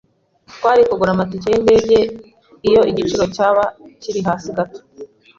Twari kugura amatike yindege iyo igiciro cyaba kiri hasi gato.